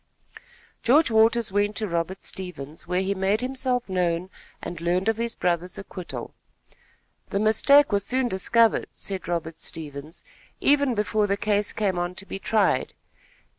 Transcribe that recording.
George Waters went to Robert Stevens, where he made himself known and learned of his brother's acquittal. "The mistake was soon discovered," said Robert Stevens; "even before the case came on to be tried.